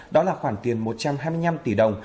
đó là khoản tiền một trăm hai mươi năm tỷ đồng